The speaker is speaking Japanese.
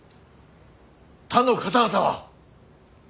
他の方々は。